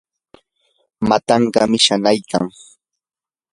matankaami shanaykan.